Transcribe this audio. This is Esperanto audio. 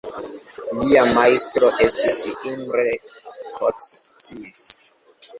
Lia majstro estis Imre Kocsis.